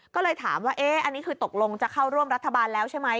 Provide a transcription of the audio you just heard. ก็เลยถามว่าอันนี้คือตกลงจะเข้าร่วมรัฐบาลแล้วใช่ไหม